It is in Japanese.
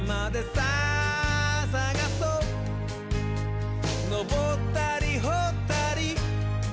「さあさがそうのぼったりほったり」